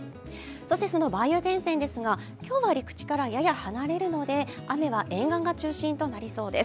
そして、その梅雨前線ですが、今日は陸地からやや離れるので、雨は沿岸が中心となりそうです。